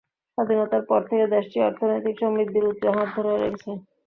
স্বাধীনতার পর থেকে দেশটি অর্থনৈতিক সমৃদ্ধির উচ্চ হার ধরে রেখেছে।